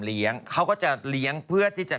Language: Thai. เลี้ยงเค้าก็จะเลี้ยงเพื่อที่จะ